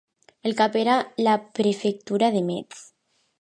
El cap era la prefectura de Metz.